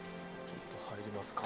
入りますか。